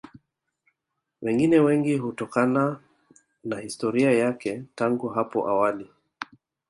Wengine wengi kutokana na historia yake tangu hapo awali